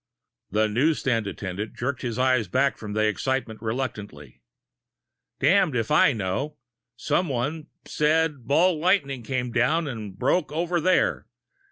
The newsstand attendant jerked his eyes back from they excitement reluctantly. "Damned if I know. Someone, says a ball lightning came down and broke over there.